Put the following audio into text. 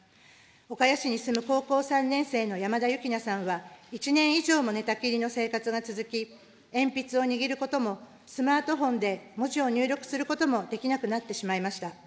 岡谷市に住む高校３年生の山田幸奈さんは、１年以上も寝たきりの生活が続き、鉛筆を握ることも、スマートフォンで文字を入力することもできなくなってしまいました。